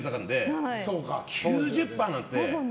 ９０％なんて。